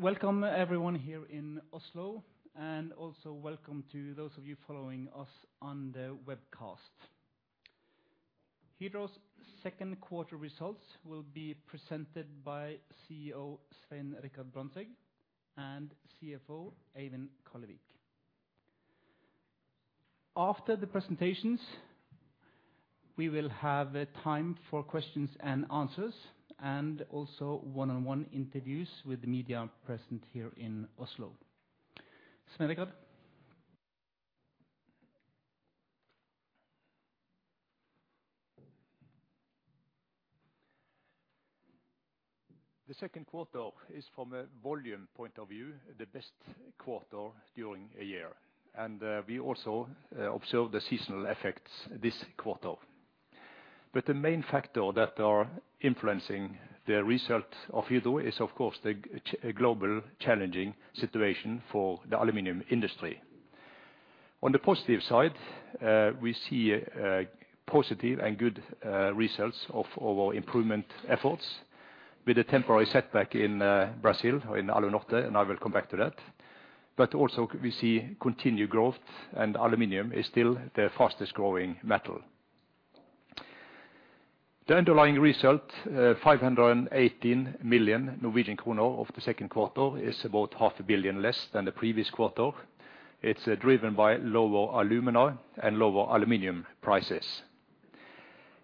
Welcome everyone here in Oslo, and also welcome to those of you following us on the webcast. Hydro's second quarter results will be presented by CEO Svein Richard Brandtzæg and CFO Eivind Kallevik. After the presentations, we will have time for questions and answers and also one-on-one interviews with the media present here in Oslo. Svein Richard. The second quarter is from a volume point of view, the best quarter during a year. We also observe the seasonal effects this quarter. The main factor that are influencing the result of Hydro is of course, the global challenging situation for the aluminum industry. On the positive side, we see positive and good results of our improvement efforts with a temporary setback in Brazil, in Alunorte, and I will come back to that. Also we see continued growth and aluminum is still the fastest growing metal. The underlying result, 518 million Norwegian kroner of the second quarter is about 0.5 billion less than the previous quarter. It's driven by lower alumina and lower aluminum prices.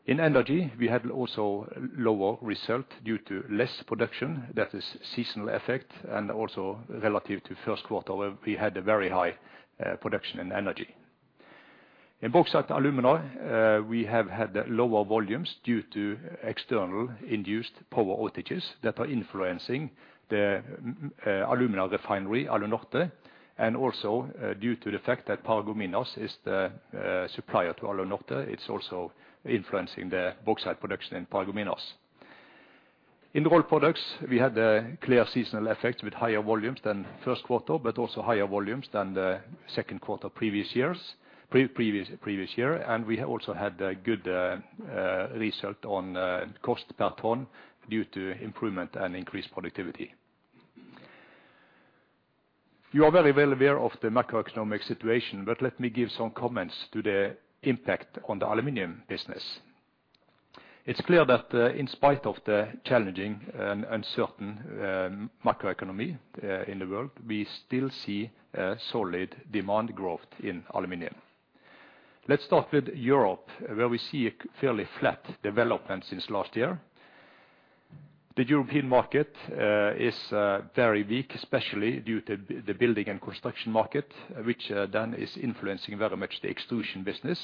In energy, we had also lower result due to less production. That is seasonal effect and also relative to first quarter, where we had a very high production in energy. In Bauxite & Alumina, we have had lower volumes due to external induced power outages that are influencing the alumina refinery, Alunorte, and also due to the fact that Paragominas is the supplier to Alunorte. It's also influencing the bauxite production in Paragominas. In Rolled Products, we had a clear seasonal effect with higher volumes than first quarter, but also higher volumes than the second quarter previous year. We also had a good result on cost per ton due to improvement and increased productivity. You are very well aware of the macroeconomic situation, but let me give some comments to the impact on the aluminum business. It's clear that in spite of the challenging and uncertain macroeconomy in the world, we still see a solid demand growth in aluminum. Let's start with Europe, where we see a fairly flat development since last year. The European market is very weak, especially due to the building and construction market, which then is influencing very much the extrusion business,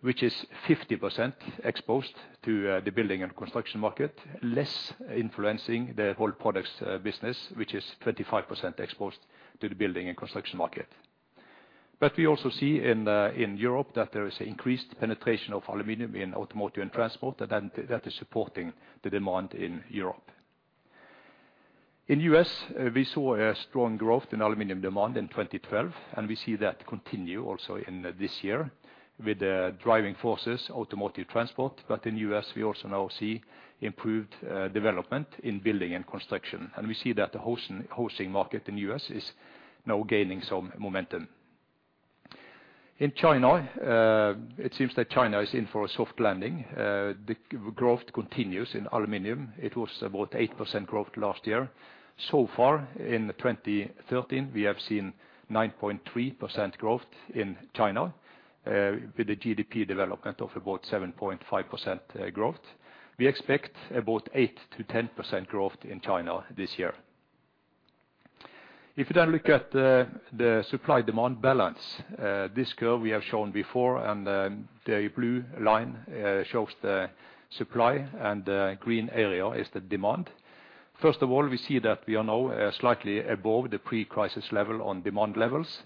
which is 50% exposed to the building and construction market, less influencing the rolled products business, which is 25% exposed to the building and construction market. We also see in Europe that there is increased penetration of aluminum in automotive and transport, and that is supporting the demand in Europe. In U.S., we saw a strong growth in aluminum demand in 2012, and we see that continue also in this year with the driving forces, automotive transport. In U.S., we also now see improved development in building and construction. We see that the housing market in U.S. is now gaining some momentum. In China, it seems that China is in for a soft landing. The growth continues in aluminum. It was about 8% growth last year. So far in 2013, we have seen 9.3% growth in China with a GDP development of about 7.5% growth. We expect about 8%-10% growth in China this year. If you then look at the supply demand balance, this curve we have shown before, and the blue line shows the supply, and the green area is the demand. First of all, we see that we are now slightly above the pre-crisis level on demand levels.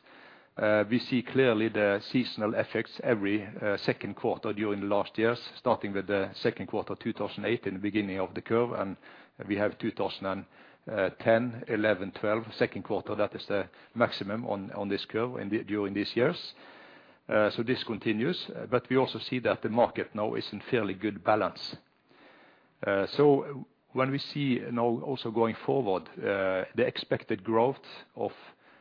We see clearly the seasonal effects every second quarter during the last years, starting with the second quarter, 2008 in the beginning of the curve. We have 2010, 2011, 2012, second quarter, that is the maximum on this curve during these years. This continues, but we also see that the market now is in fairly good balance. When we see now also going forward the expected growth of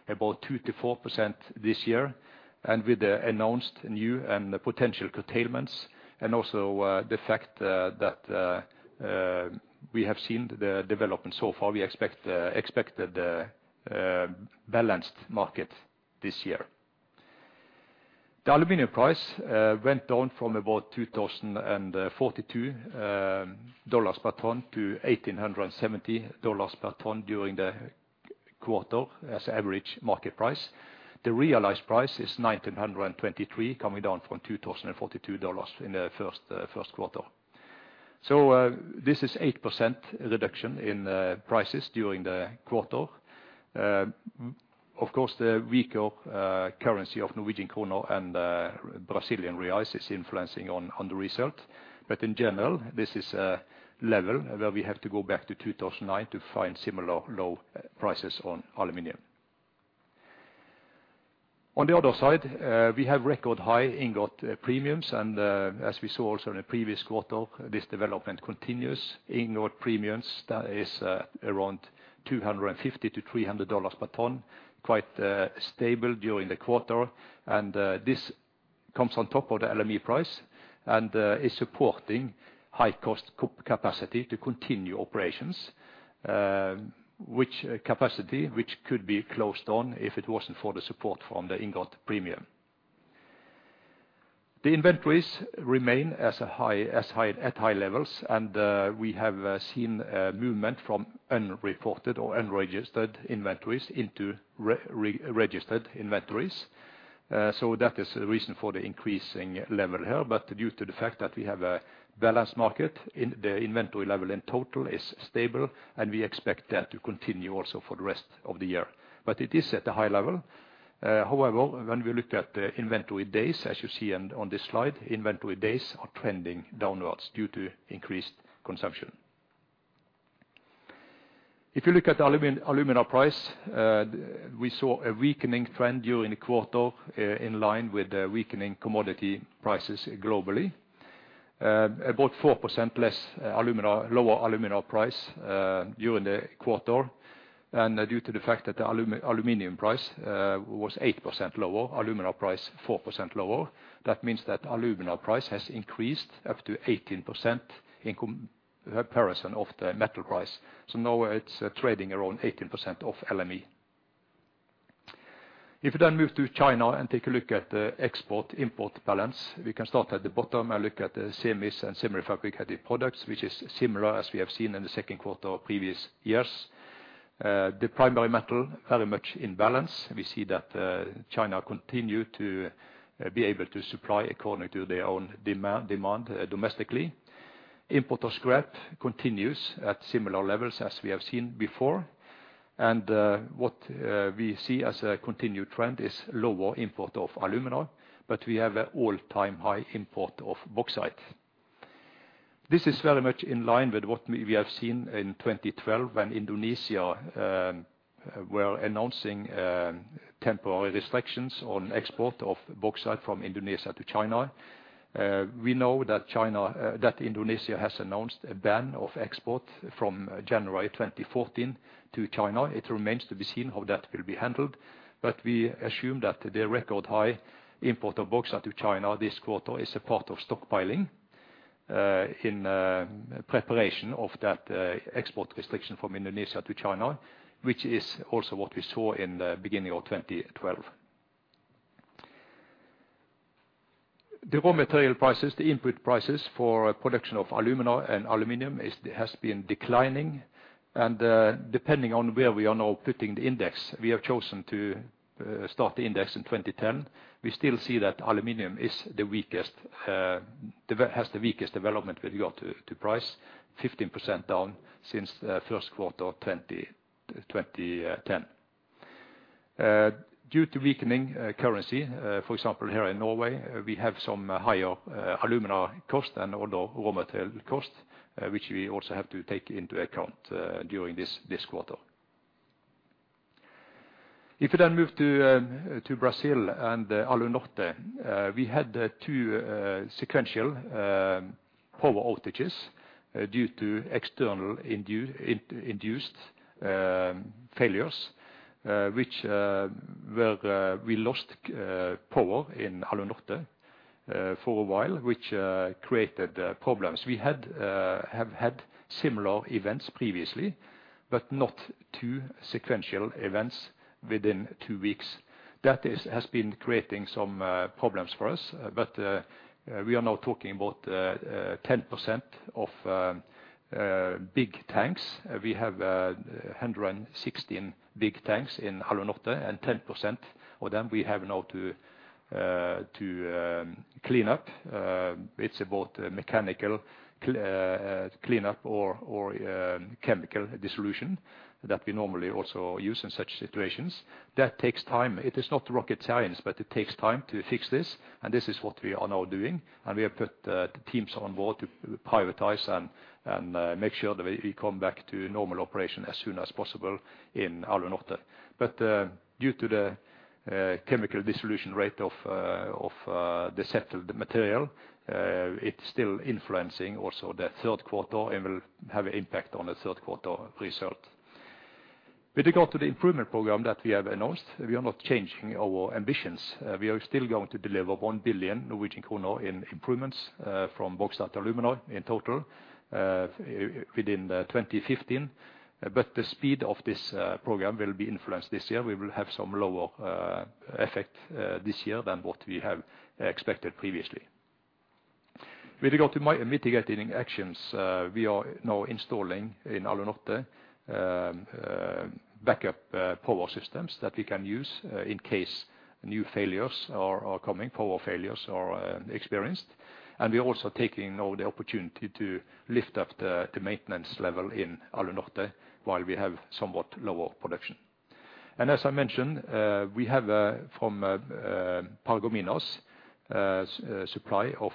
about 2%-4% this year and with the announced new and potential curtailments and also the fact that we have seen the development so far, we expect a balanced market this year. The aluminum price went down from about $2,042 per ton-$1,870 per ton during the quarter as average market price. The realized price is $1,923, coming down from $2,042 in the first quarter. This is 8% reduction in prices during the quarter. Of course, the weaker currency of Norwegian kroner and Brazilian reais is influencing on the result. In general, this is a level where we have to go back to 2009 to find similar low prices on aluminum. On the other side, we have record high ingot premiums, and, as we saw also in the previous quarter, this development continues. Ingot premiums, that is, around $250-$300 per ton, quite stable during the quarter. This comes on top of the LME price and is supporting high cost capacity to continue operations, which capacity could be closed down if it wasn't for the support from the ingot premium. The inventories remain at high levels. We have seen a movement from unreported or unregistered inventories into re-registered inventories. So that is the reason for the increasing level here. Due to the fact that we have a balanced market, the inventory level in total is stable, and we expect that to continue also for the rest of the year. It is at a high level. However, when we look at the inventory days, as you see on this slide, inventory days are trending downwards due to increased consumption. If you look at the alumina price, we saw a weakening trend during the quarter, in line with the weakening commodity prices globally. About 4% less alumina, lower alumina price, during the quarter. Due to the fact that the aluminum price was 8% lower, alumina price 4% lower, that means that alumina price has increased up to 18% in comparison of the metal price. Now it's trading around 18% of LME. If you then move to China and take a look at the export-import balance, we can start at the bottom and look at the semis and semi-fabricated products, which is similar, as we have seen in the second quarter of previous years. The primary metal, very much in balance. We see that China continue to be able to supply according to their own demand domestically. Import of scrap continues at similar levels as we have seen before. What we see as a continued trend is lower import of alumina, but we have an all-time high import of bauxite. This is very much in line with what we have seen in 2012 when Indonesia were announcing temporary restrictions on export of bauxite from Indonesia to China. We know that China, that Indonesia has announced a ban of export from January 2014 to China. It remains to be seen how that will be handled. We assume that the record high import of bauxite to China this quarter is a part of stockpiling in preparation of that export restriction from Indonesia to China, which is also what we saw in the beginning of 2012. The raw material prices, the input prices for production of alumina and aluminum has been declining. Depending on where we are now putting the index, we have chosen to start the index in 2010. We still see that aluminum is the weakest, has the weakest development with regard to price, 15% down since first quarter of 2010. Due to weakening currency, for example, here in Norway, we have some higher alumina cost and also raw material cost, which we also have to take into account, during this quarter. If you then move to Brazil and Alunorte, we had two sequential power outages due to external induced failures which we lost power in Alunorte for a while, which created problems. We have had similar events previously, but not two sequential events within two weeks. That has been creating some problems for us. We are now talking about 10% of big tanks. We have 116 big tanks in Alunorte, and 10% of them we have now to clean up. It's about mechanical clean up or chemical dissolution that we normally also use in such situations. That takes time. It is not rocket science, but it takes time to fix this, and this is what we are now doing. We have put the teams on board to prioritize and make sure that we come back to normal operation as soon as possible in Alunorte. Due to the chemical dissolution rate of the settled material, it's still influencing also the third quarter and will have impact on the third quarter result. With regard to the improvement program that we have announced, we are not changing our ambitions. We are still going to deliver 1 billion Norwegian kroner in improvements from Bauxite & Alumina in total within 2015. The speed of this program will be influenced this year. We will have some lower effect this year than what we have expected previously. With regard to mitigating actions, we are now installing in Alunorte backup power systems that we can use in case new failures are coming, power failures are experienced. We're also taking now the opportunity to lift up the maintenance level in Alunorte while we have somewhat lower production. As I mentioned, we have from Paragominas supply of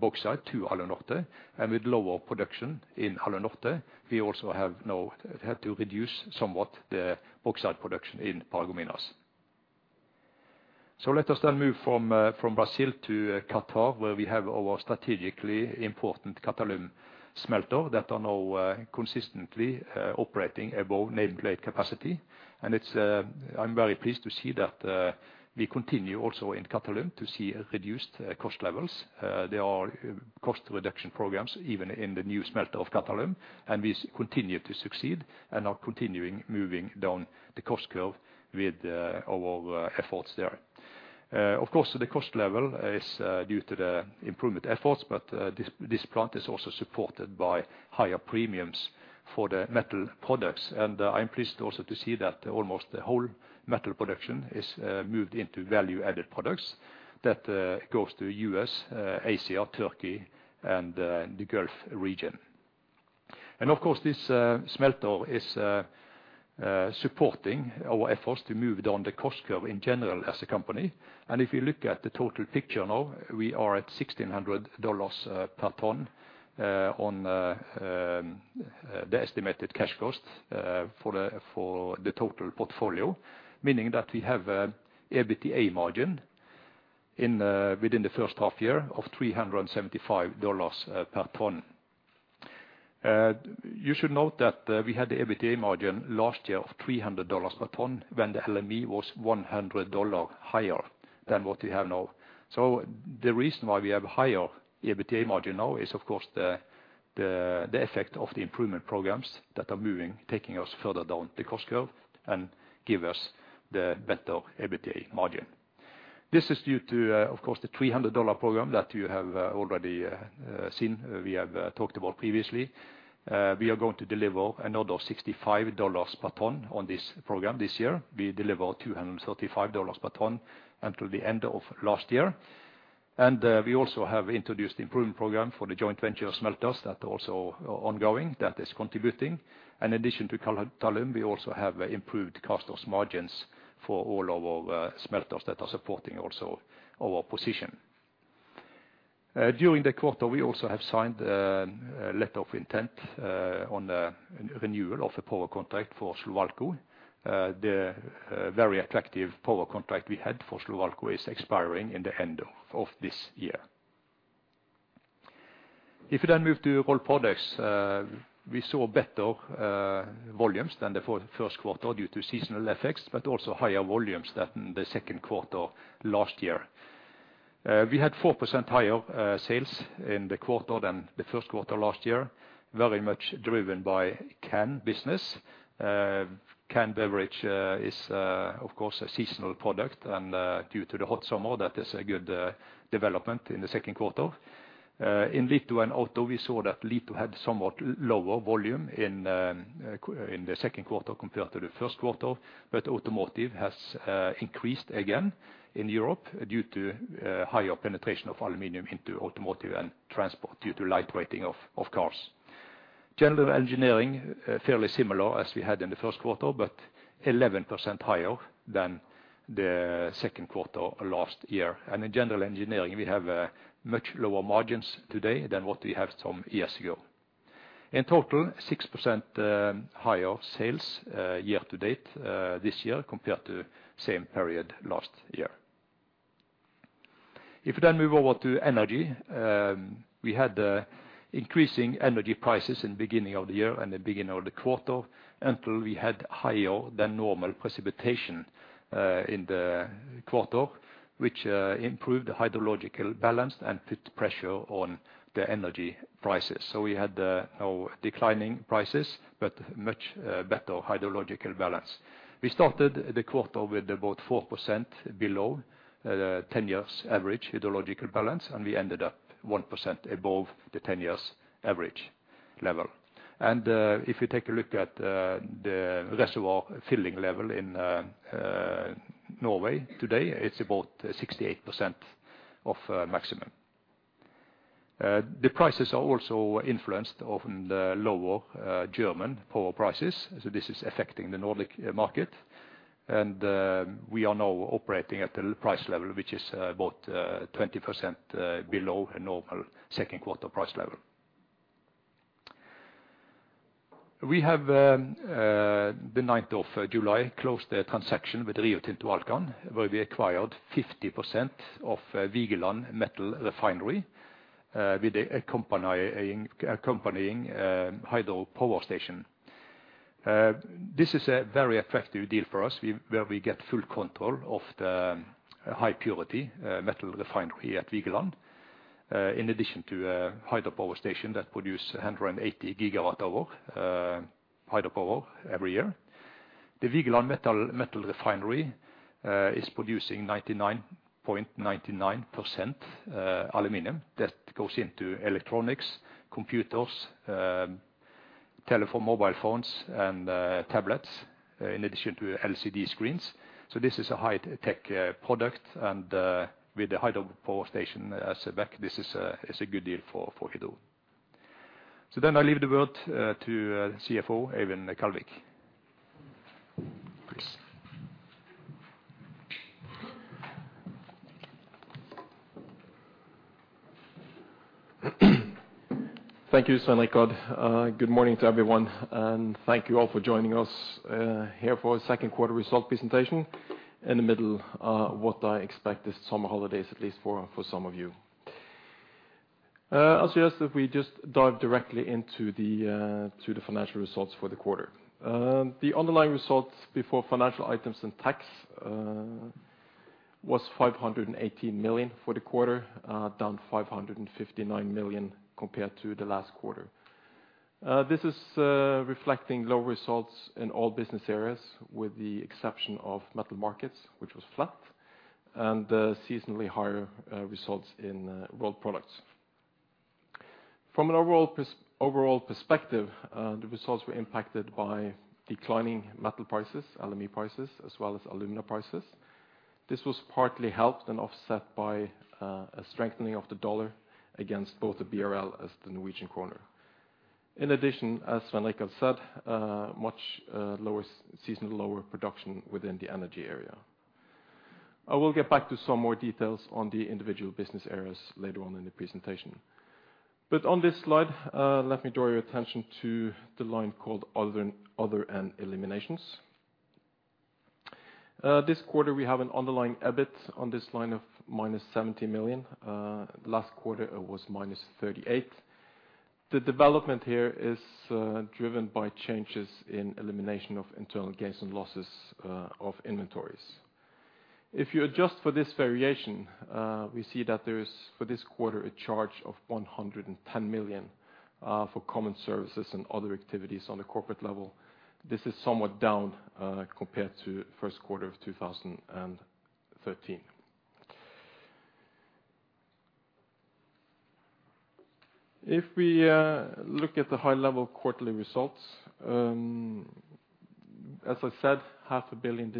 bauxite to Alunorte and with lower production in Alunorte, we also have now had to reduce somewhat the bauxite production in Paragominas. Let us then move from Brazil to Qatar, where we have our strategically important Qatalum that are now consistently operating above nameplate capacity. I'm very pleased to see that we continue also in Qatalum to see reduced cost levels. There are cost reduction programs even in the new smelter of Qatalum, and we continue to succeed and are continuing moving down the cost curve with our efforts there. Of course, the cost level is due to the improvement efforts, but this plant is also supported by higher premiums for the metal products. I'm pleased also to see that almost the whole metal production is moved into value-added products that goes to U.S., Asia, Turkey and the Gulf region. Of course this smelter is supporting our efforts to move down the cost curve in general as a company. If you look at the total picture now, we are at $1,600 per ton on the estimated cash costs for the total portfolio, meaning that we have a EBITDA margin within the first half year of $375 per ton. You should note that we had the EBITDA margin last year of $300 per ton when the LME was $100 higher than what we have now. The reason why we have higher EBITDA margin now is of course the effect of the improvement programs that are taking us further down the cost curve and give us the better EBITDA margin. This is due to, of course, the $300 program that you have already seen, we have talked about previously. We are going to deliver another $65 per ton on this program this year. We deliver $235 per ton until the end of last year. We also have introduced improvement program for the joint venture smelters that also are ongoing, that is contributing. In addition to Qatalum, we also have improved cost margins for all our smelters that are supporting also our position. During the quarter, we also have signed a letter of intent on a renewal of a power contract for Slovalco. The very attractive power contract we had for Slovalco is expiring in the end of this year. If you then move to Rolled Products, we saw better volumes than the first quarter due to seasonal effects, but also higher volumes than the second quarter last year. We had 4% higher sales in the quarter than the first quarter last year, very much driven by can business. Canned beverage is of course a seasonal product and due to the hot summer, that is a good development in the second quarter. In litho and auto, we saw that litho had somewhat lower volume in the second quarter compared to the first quarter. Automotive has increased again in Europe due to higher penetration of aluminum into automotive and transport due to light weighting of cars. General engineering fairly similar as we had in the first quarter, but 11% higher than the second quarter last year. In general engineering, we have much lower margins today than what we had some years ago. In total, 6% higher sales year to date this year compared to same period last year. If you move over to energy, we had increasing energy prices in beginning of the year and the beginning of the quarter until we had higher than normal precipitation in the quarter, which improved the hydrological balance and put pressure on the energy prices. We had now declining prices, but much better hydrological balance. We started the quarter with about 4% below 10-year average hydrological balance, and we ended up 1% above the 10-year average level. If you take a look at the reservoir filling level in Norway today, it's about 68% of maximum. The prices are also influenced by the lower German power prices. This is affecting the Nordic market. The 9th of July closed a transaction with Rio Tinto Alcan, where we acquired 50% of Vigeland Metal Refinery with the accompanying hydropower station. This is a very attractive deal for us where we get full control of the high purity metal refinery at Vigeland in addition to a hydropower station that produce 180 GWh hydropower every year. The Vigeland Metal Refinery is producing 99.99% aluminum that goes into electronics, computers, telephone, mobile phones and tablets, in addition to LCD screens. This is a high-tech product and, with the hydropower station as a backdrop, this is a good deal for Hydro. I leave the word to CFO, Eivind Kallevik. Please. Thank you, Svein Richard Brandtzæg. Good morning to everyone, and thank you all for joining us here for our second quarter result presentation in the middle of what I expect is summer holidays, at least for some of you. I'll suggest that we just dive directly into the financial results for the quarter. The underlying results before financial items and tax was 580 million for the quarter, down 559 million compared to the last quarter. This is reflecting low results in all business areas, with the exception of Metal Markets, which was flat, and seasonally higher results in Rolled Products. From an overall perspective, the results were impacted by declining metal prices, LME prices, as well as alumina prices. This was partly helped and offset by a strengthening of the dollar against both the BRL and the Norwegian kroner. In addition, as Svein Richard said, much lower seasonal production within the energy area. I will get back to some more details on the individual business areas later on in the presentation. On this slide, let me draw your attention to the line called Other and Eliminations. This quarter, we have an underlying EBIT on this line of -70 million. Last quarter, it was -38 million. The development here is driven by changes in elimination of internal gains and losses of inventories. If you adjust for this variation, we see that there is, for this quarter, a charge of 110 million for common services and other activities on the corporate level. This is somewhat down, compared to first quarter of 2013. If we look at the high level quarterly results, as I said, 0.5 Billion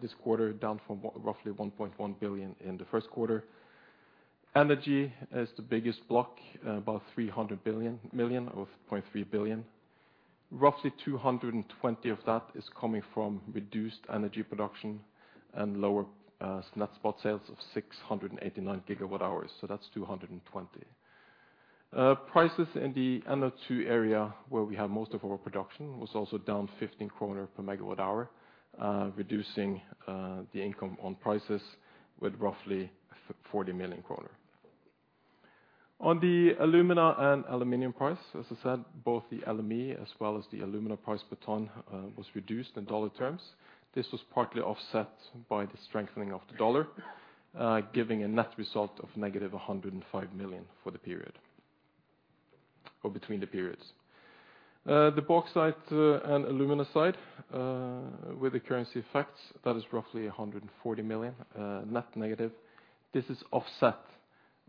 this quarter, down from roughly 1.1 billion in the first quarter. Energy is the biggest block, about 300 million, or 0.3 billion. Roughly 220 of that is coming from reduced energy production and lower net spot sales of 689 GWh, so that's 220. Prices in the NO2 area, where we have most of our production, was also down 15 kroner per MWh, reducing the income on prices with roughly 40 million kroner. On the alumina and aluminum price, as I said, both the LME as well as the alumina price per ton was reduced in dollar terms. This was partly offset by the strengthening of the dollar, giving a net result of -105 million for the period, or between the periods. The Bauxite and Alumina side with the currency effects, that is roughly -140 million net negative. This is offset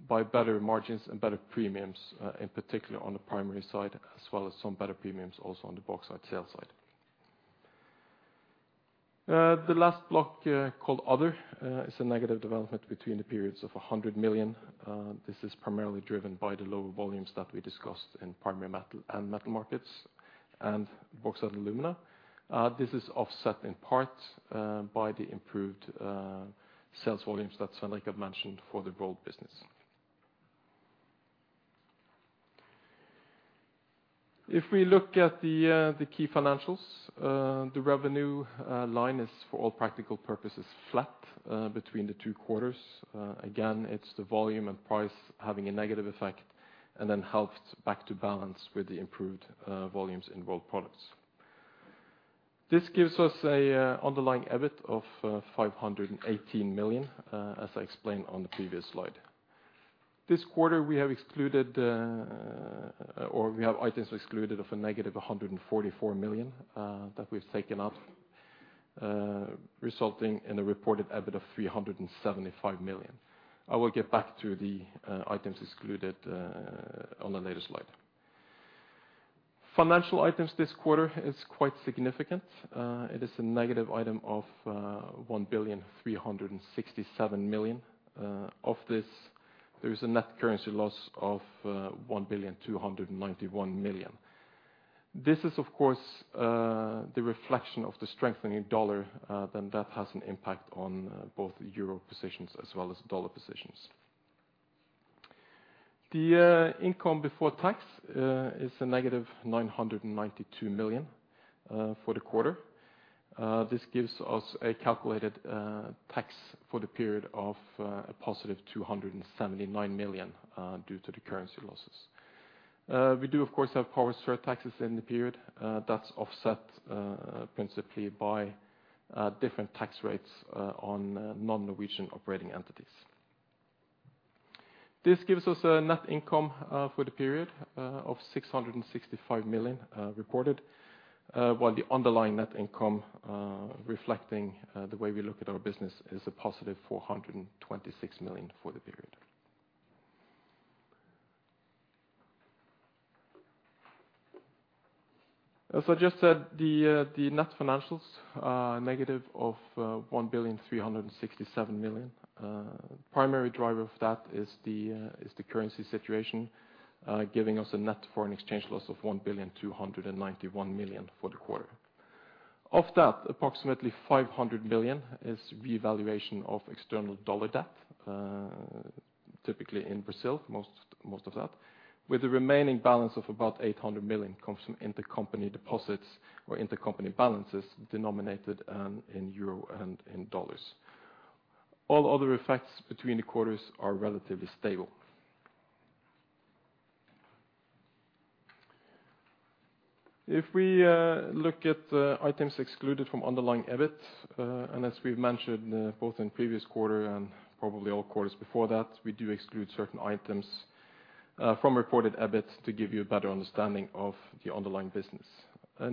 by better margins and better premiums in particular on the Primary side, as well as some better premiums also on the bauxite sales side. The last block called Other is a negative development between the periods of -100 million. This is primarily driven by the lower volumes that we discussed in Primary Metal and Metal Markets and Bauxite & Alumina. This is offset in part by the improved sales volumes that Svein Richard mentioned for the rolled business. If we look at the key financials, the revenue line is, for all practical purposes, flat between the two quarters. Again, it's the volume and price having a negative effect and then helped back to balance with the improved volumes in rolled products. This gives us an underlying EBIT of 518 million, as I explained on the previous slide. This quarter, we have excluded, or we have items excluded of a -144 million that we've taken out resulting in a reported EBIT of 375 million. I will get back to the items excluded on a later slide. Financial items this quarter is quite significant. It is a negative item of 1,367 million. Of this, there is a net currency loss of 1,291 million. This is, of course, the reflection of the strengthening US dollar, then that has an impact on both euro positions as well as dollar positions. The income before tax is a -992 million for the quarter. This gives us a calculated tax for the period of a +279 million due to the currency losses. We do, of course, have power surtaxes in the period, that's offset principally by different tax rates on non-Norwegian operating entities. This gives us a net income for the period of 665 million reported, while the underlying net income reflecting the way we look at our business is a +426 million for the period. As I just said, the net financials negative of 1,367 million. Primary driver of that is the currency situation giving us a net foreign exchange loss of 1,291 million for the quarter. Of that, approximately 500 million is revaluation of external dollar debt, typically in Brazil, most of that, with the remaining balance of about 800 million comes from intercompany deposits or intercompany balances denominated in euro and dollars. All other effects between the quarters are relatively stable. If we look at items excluded from underlying EBIT, and as we've mentioned both in previous quarter and probably all quarters before that, we do exclude certain items from reported EBIT to give you a better understanding of the underlying business.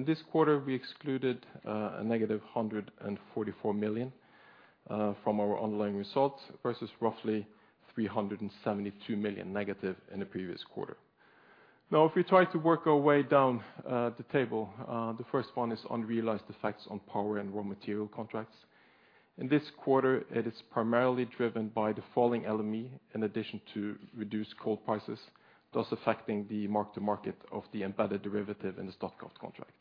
This quarter we excluded a -144 million from our underlying results versus roughly 372 million- in the previous quarter. Now, if we try to work our way down the table, the first one is unrealized effects on power and raw material contracts. In this quarter, it is primarily driven by the falling LME in addition to reduced coal prices, thus affecting the mark to market of the embedded derivative in the Statkraft contract.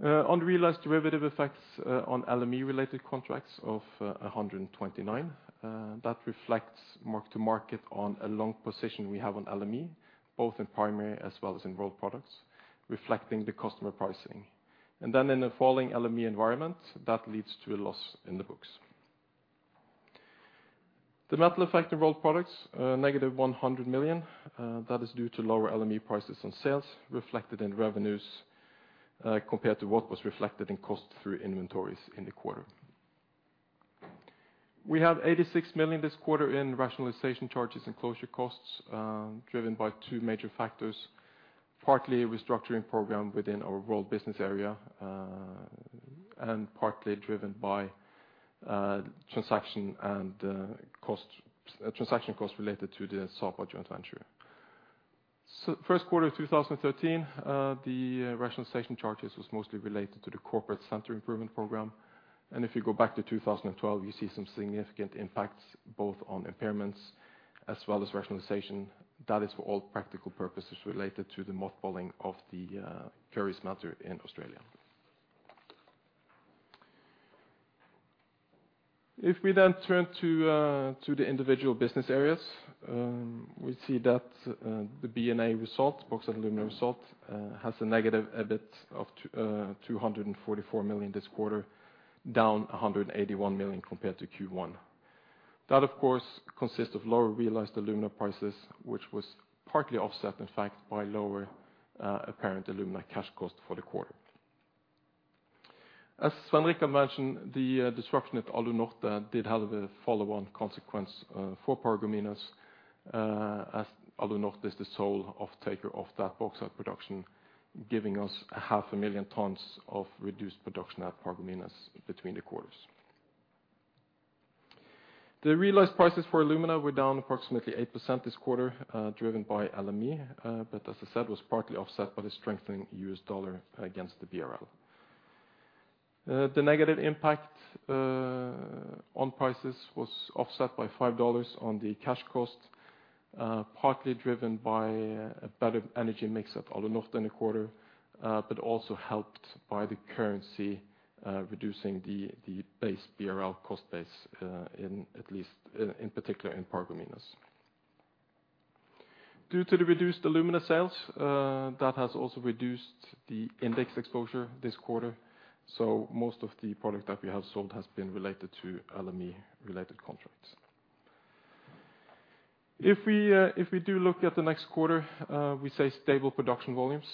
Unrealized derivative effects on LME related contracts of 129 that reflects mark to market on a long position we have on LME, both in Primary as well as in Rolled Products reflecting the customer pricing. In a falling LME environment, that leads to a loss in the books. The metal effect in Rolled Products, -100 million, that is due to lower LME prices on sales reflected in revenues compared to what was reflected in cost through inventories in the quarter. We have 86 million this quarter in rationalization charges and closure costs driven by two major factors, partly restructuring program within our Rolled Products business area, and partly driven by transaction costs related to the Sapa joint venture. First quarter of 2013, the rationalization charges was mostly related to the corporate center improvement program, and if you go back to 2012, you see some significant impacts both on impairments as well as rationalization. That is for all practical purposes related to the mothballing of the Kurri Kurri smelter in Australia. If we turn to the individual business areas, we see that the B&A result, bauxite and alumina result, has a -EBIT of 244 million this quarter, down 181 million compared to Q1. That of course consists of lower realized alumina prices, which was partly offset in fact by lower apparent alumina cash cost for the quarter. As Svein Richard Brandtzæg mentioned, the disruption at Alunorte did have a follow-on consequence for Paragominas, as Alunorte is the sole off-taker of that bauxite production, giving us 0.5 million tons of reduced production at Paragominas between the quarters. The realized prices for alumina were down approximately 8% this quarter, driven by LME, but as I said, was partly offset by the strengthening US dollar against the BRL. The negative impact on prices was offset by $5 on the cash cost, partly driven by a better energy mix at Alunorte in the quarter, but also helped by the currency, reducing the base BRL cost base, in particular in Paragominas. Due to the reduced alumina sales, that has also reduced the index exposure this quarter. Most of the product that we have sold has been related to LME related contracts. If we do look at the next quarter, we say stable production volumes.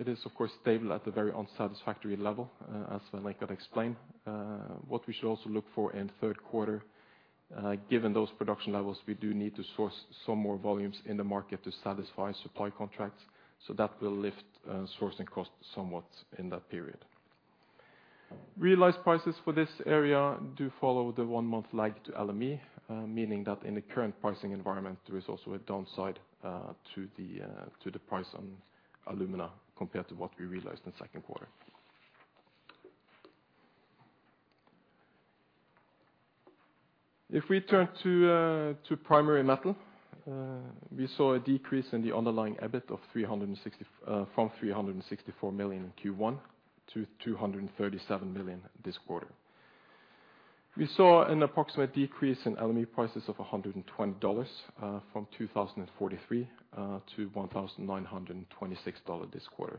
It is of course stable at the very unsatisfactory level, as Svein Richard explained. What we should also look for in third quarter, given those production levels, we do need to source some more volumes in the market to satisfy supply contracts, so that will lift sourcing costs somewhat in that period. Realized prices for this area do follow the one-month lag to LME, meaning that in the current pricing environment, there is also a downside to the price on alumina compared to what we realized in second quarter. If we turn to Primary Metal, we saw a decrease in the underlying EBIT of 364 million in Q1 to 237 million this quarter. We saw an approximate decrease in LME prices of $120, from $2,043-$1,926 this quarter.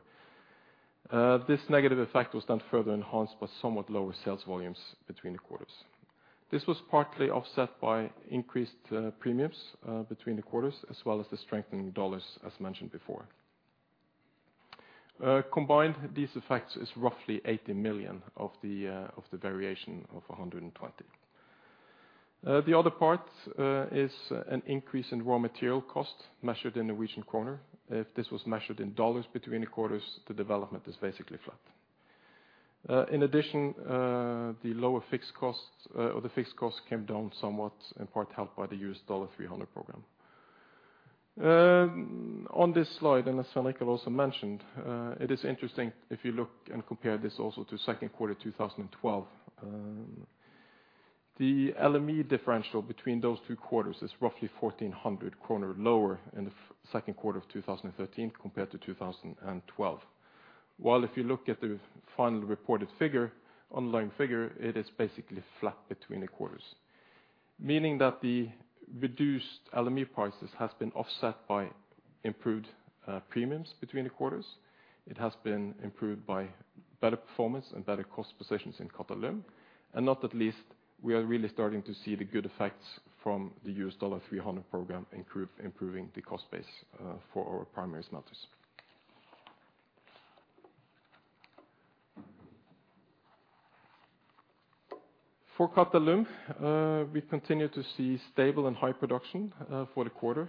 This negative effect was then further enhanced by somewhat lower sales volumes between the quarters. This was partly offset by increased premiums between the quarters, as well as the strengthening dollars as mentioned before. Combined, these effects is roughly 80 million of the variation of 120. The other part is an increase in raw material costs measured in Norwegian kroner. If this was measured in dollars between the quarters, the development is basically flat. In addition, the lower fixed costs, or the fixed costs came down somewhat, in part helped by the $300 program. On this slide, and as Svein Richard Brandtzæg also mentioned, it is interesting if you look and compare this also to second quarter 2012. The LME differential between those two quarters is roughly 1,400 kroner lower in the second quarter of 2013 compared to 2012. While if you look at the final reported figure, underlying figure, it is basically flat between the quarters. Meaning that the reduced LME prices has been offset by improved premiums between the quarters. It has been improved by better performance and better cost positions in Qatalum. Not least, we are really starting to see the good effects from the $300 program, improving the cost base for our primary smelters. For Qatalum, we continue to see stable and high production for the quarter,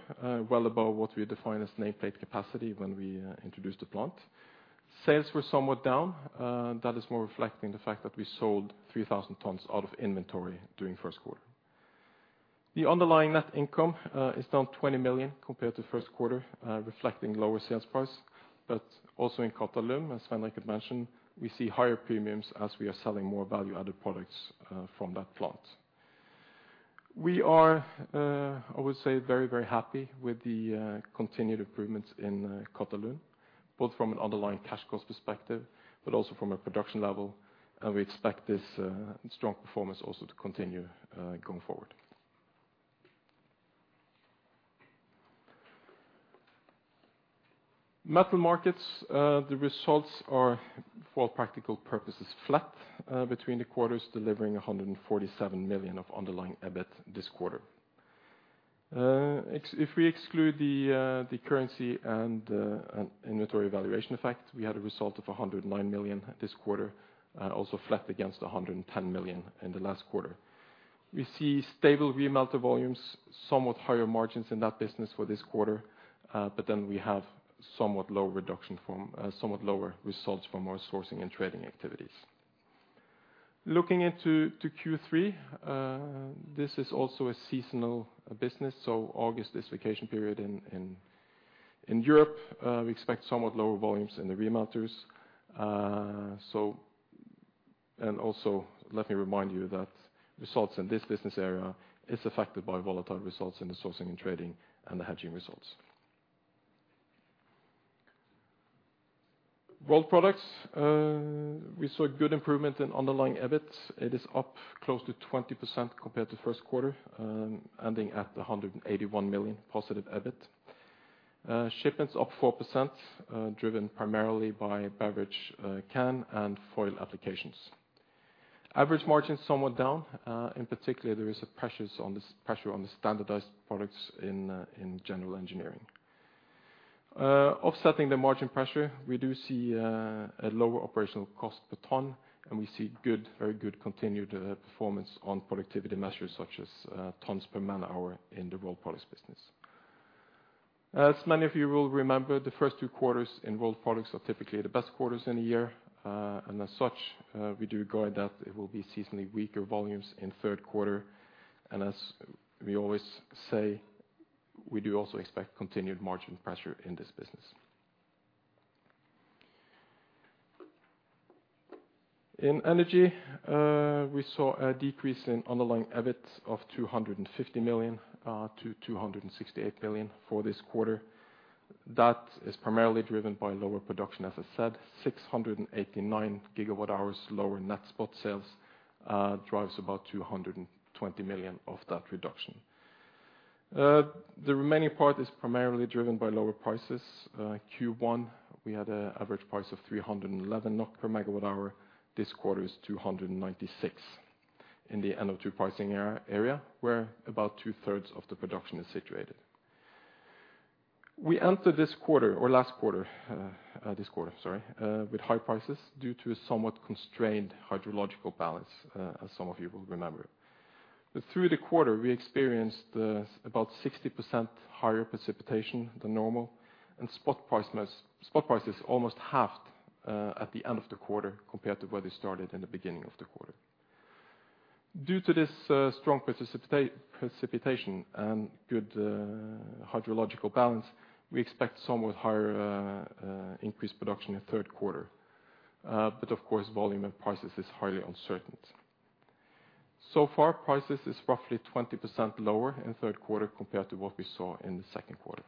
well above what we define as nameplate capacity when we introduced the plant. Sales were somewhat down, that is more reflecting the fact that we sold 3,000 tons out of inventory during first quarter. The underlying net income is down 20 million compared to first quarter, reflecting lower sales price. Also in Qatalum, as Svein Richard mentioned, we see higher premiums as we are selling more value-added products from that plant. We are I would say very very happy with the continued improvements in Qatalum, both from an underlying cash cost perspective, but also from a production level. We expect this strong performance also to continue going forward. Metal Markets, the results are for all practical purposes flat between the quarters, delivering 147 million of underlying EBIT this quarter. If we exclude the currency and inventory valuation effect, we had a result of 109 million this quarter, also flat against 110 million in the last quarter. We see stable remelt volumes, somewhat higher margins in that business for this quarter, but then we have somewhat lower reduction from somewhat lower results from our sourcing and trading activities. Looking into Q3 this is also a seasonal business. August is vacation period in Europe. We expect somewhat lower volumes in the remelters. Let me remind you that results in this business area is affected by volatile results in the sourcing and trading and the hedging results. Rolled Products, we saw a good improvement in underlying EBIT. It is up close to 20% compared to first quarter, ending at 181 million +EBIT. Shipments up 4%, driven primarily by beverage can and foil applications. Average margin somewhat down. In particular, there is a pressure on the standardized products in general engineering. Offsetting the margin pressure, we do see a lower operational cost per ton, and we see good, very good continued performance on productivity measures such as tons per man hour in the Rolled Products business. As many of you will remember, the first two quarters in Rolled Products are typically the best quarters in a year. As such, we do guide that it will be seasonally weaker volumes in third quarter. As we always say, we do also expect continued margin pressure in this business. In Energy, we saw a decrease in underlying EBIT of 250 million-268 million for this quarter. That is primarily driven by lower production, as I said, 689 GWh lower net spot sales drives about 220 million of that reduction. The remaining part is primarily driven by lower prices. Q1, we had an average price of 311 NOK per MWh. This quarter is 296 in the NO2 pricing area, where about two-thirds of the production is situated. We entered this quarter, sorry, with high prices due to a somewhat constrained hydrological balance, as some of you will remember. Through the quarter, we experienced about 60% higher precipitation than normal, and spot prices almost halved at the end of the quarter compared to where they started in the beginning of the quarter. Due to this strong precipitation and good hydrological balance, we expect somewhat higher increased production in third quarter. Of course, volume and prices is highly uncertain. So far prices is roughly 20% lower in third quarter compared to what we saw in the second quarter.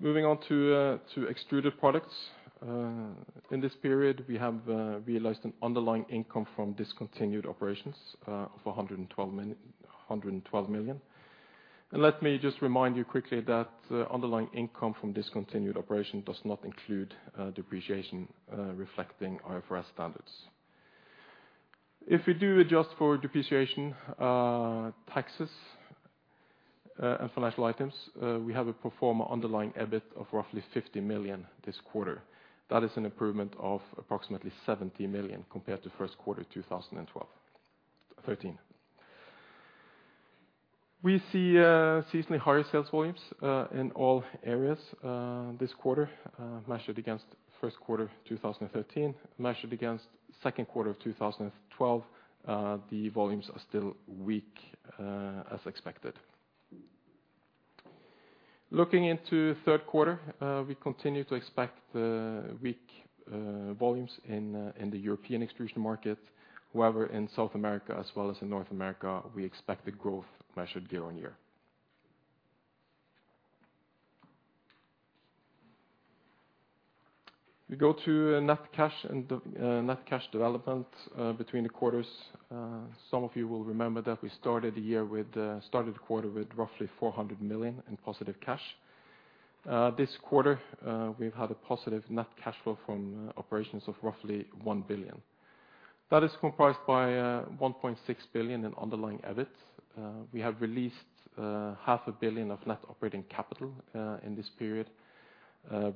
Moving on to Extruded Products. In this period, we have realized an underlying income from discontinued operations of 112 million. Let me just remind you quickly that underlying income from discontinued operation does not include depreciation, reflecting IFRS standards. If we do adjust for depreciation, taxes, and financial items, we have performed underlying EBIT of roughly 50 million this quarter. That is an improvement of approximately 70 million compared to first quarter 2013. We see seasonally higher sales volumes in all areas this quarter, measured against first quarter 2013. Measured against second quarter of 2012, the volumes are still weak, as expected. Looking into third quarter, we continue to expect the weak volumes in the European extrusion market. However, in South America as well as in North America, we expect a growth measured year-on-year. We go to net cash and the net cash development between the quarters. Some of you will remember that we started the quarter with roughly 400 million in positive cash. This quarter, we've had a positive net cash flow from operations of roughly 1 billion. That is comprised by 1.6 billion in underlying EBITs. We have released 0.5 Billion of net operating capital in this period,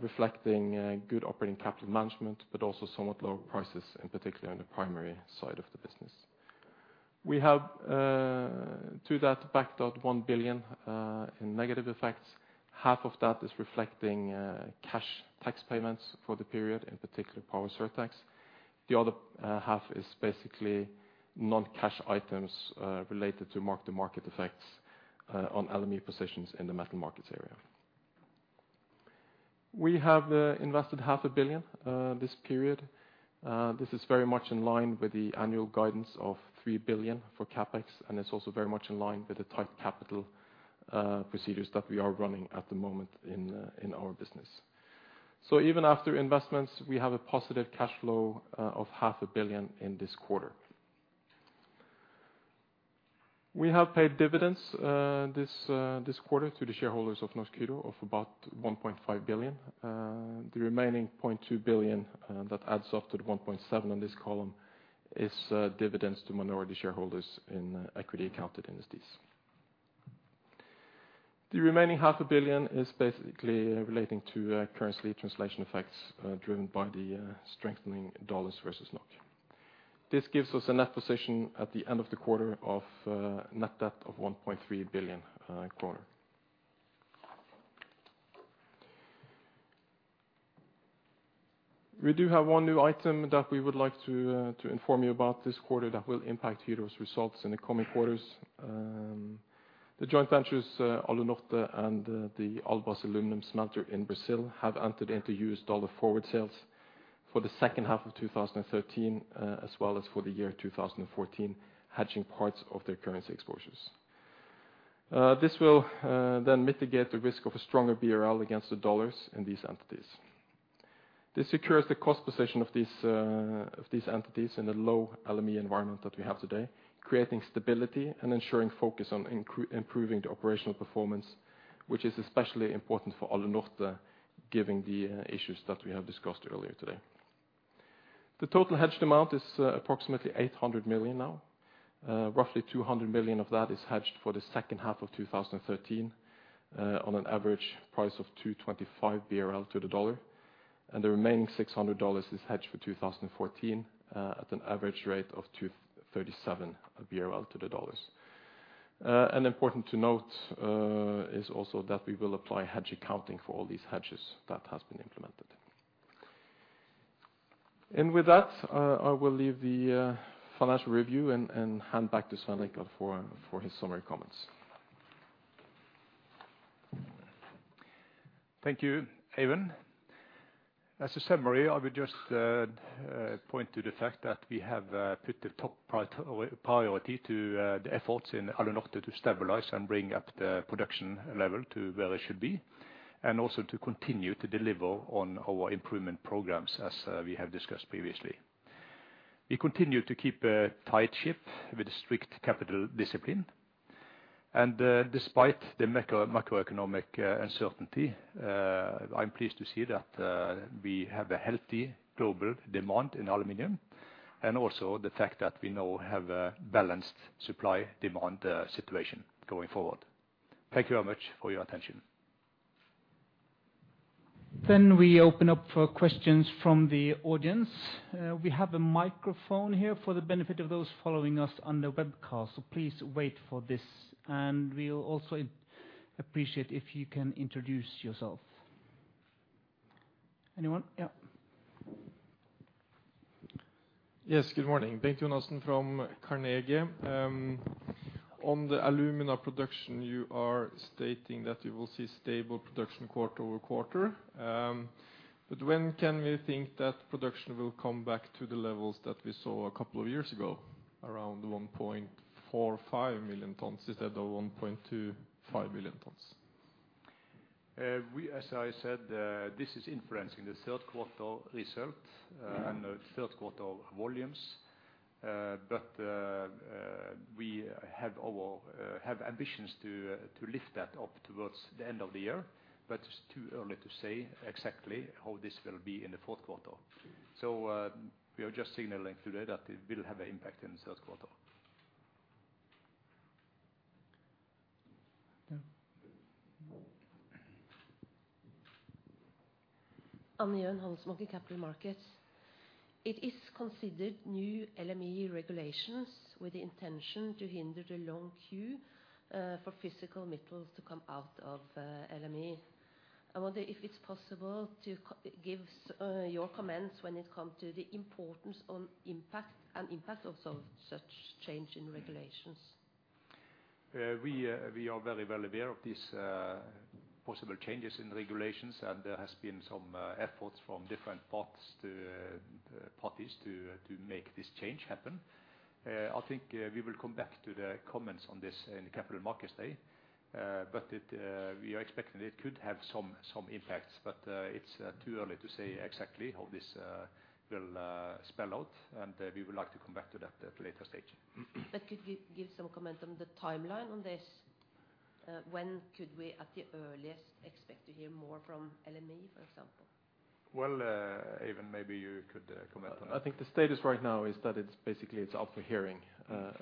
reflecting good operating capital management, but also somewhat lower prices in particular in the Primary Metal side of the business. We have to that backed out 1 billion in negative effects. Half of that is reflecting cash tax payments for the period, in particular power surtax. The other half is basically non-cash items related to mark-to-market effects on LME positions in the Metal Markets area. We have invested 0.5 billion This period. This is very much in line with the annual guidance of 3 billion for CapEx, and it's also very much in line with the tight capital procedures that we are running at the moment in our business. Even after investments, we have a positive cash flow of 0.5 billion In this quarter. We have paid dividends this quarter to the shareholders of Norsk Hydro of about 1.5 billion. The remaining 0.2 billion that adds up to the 1.7 in this column is dividends to minority shareholders in equity accounted entities. The remaining half a billion is basically relating to currency translation effects driven by the strengthening dollars versus NOK. This gives us a net position at the end of the quarter of net debt of 1.3 billion kroner quarter. We do have one new item that we would like to inform you about this quarter that will impact Hydro's results in the coming quarters. The joint ventures Alunorte and the Albrás aluminum smelter in Brazil have entered into US dollar forward sales for the second half of 2013, as well as for the year 2014, hedging parts of their currency exposures. This will then mitigate the risk of a stronger BRL against the dollars in these entities. This secures the cost position of these entities in the low LME environment that we have today, creating stability and ensuring focus on improving the operational performance, which is especially important for Alunorte given the issues that we have discussed earlier today. The total hedged amount is approximately $800 million. Roughly $200 million of that is hedged for the second half of 2013, on an average price of 2.25 BRL to the dollar. The remaining $600 million is hedged for 2014, at an average rate of 2.37 to the dollar. Important to note is also that we will apply hedge accounting for all these hedges that has been implemented. With that, I will leave the financial review and hand back to Svein Richard for his summary comments. Thank you Eivind. As a summary I would just point to the fact that we have put the top priority to the efforts in Alunorte to stabilize and bring up the production level to where it should be, and also to continue to deliver on our improvement programs as we have discussed previously. We continue to keep a tight ship with strict capital discipline. Despite the macroeconomic uncertainty, I'm pleased to see that we have a healthy global demand in aluminum and also the fact that we now have a balanced supply-demand situation going forward. Thank you very much for your attention. We open up for questions from the audience. We have a microphone here for the benefit of those following us on the webcast, so please wait for this. We'll also appreciate if you can introduce yourself. Anyone? Yeah. Yes good morning Bengt Jonassen from Carnegie. On the alumina production, you are stating that you will see stable production quarter over quarter. When can we think that production will come back to the levels that we saw a couple of years ago, around 1.45 million tons instead of 1.25 million tons? As I said this is influencing the third quarter result. Mm-hmm. the third quarter volumes. We have ambitions to lift that up towards the end of the year. It's too early to say exactly how this will be in the fourth quarter. We are just signaling today that it will have an impact in the third quarter. Yeah. Anne Gjøen Handelsbanken Capital Markets. It concerns new LME regulations with the intention to hinder the long queue for physical metals to come out of LME. I wonder if it's possible to give your comments when it come to the importance and impact of such change in regulations. We are very well aware of these possible changes in regulations, and there has been some efforts from different parties to make this change happen. I think we will come back to the comments on this in the Capital Markets Day. We are expecting it could have some impacts. It's too early to say exactly how this will spell out, and we would like to come back to that at a later stage. Could you give some comment on the timeline on this? When could we at the earliest expect to hear more from LME, for example? Well Eivind maybe you could comment on that. I think the status right now is that it's basically up for hearing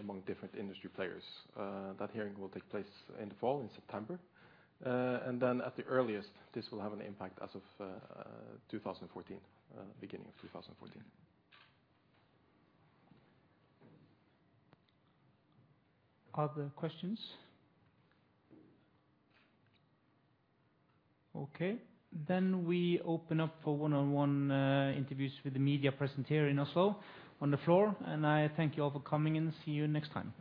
among different industry players. That hearing will take place in the fall, in September. At the earliest, this will have an impact as of 2014, beginning of 2014. Other questions? Okay we open up for one-on-one interviews with the media present here in Oslo on the floor, and I thank you all for coming and see you next time.